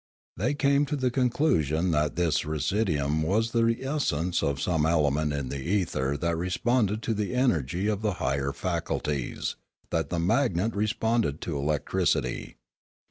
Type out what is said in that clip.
They came to the conclusion that this residuum was the essence of some element in the ether that responded to the energy of the higher faculties, as the magnet responded to electricity.